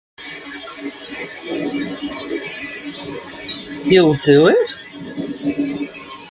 You'll do it?